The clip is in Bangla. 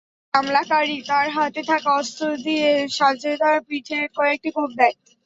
এতে হামলাকারী তার হাতে থাকা অস্ত্র দিয়ে সাজেদার পিঠে কয়েকটি কোপ দেয়।